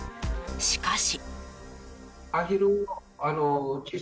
しかし。